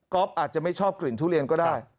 อาจจะไม่ชอบกลิ่นทุเรียนก็ได้